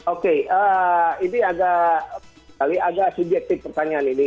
oke ini agak subjektif pertanyaan ini